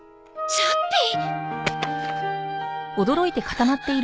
チャッピー。